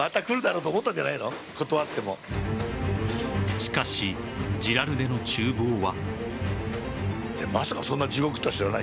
しかし、ジラルデの厨房は。